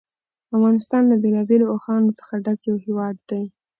افغانستان له بېلابېلو اوښانو څخه ډک یو هېواد دی.